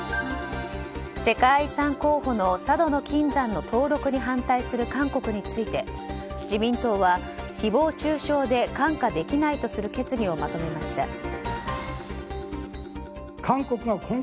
世界遺産候補の佐渡島の金山の登録に反対する韓国について、自民党は誹謗中傷で看過できないとする決議をまとめました。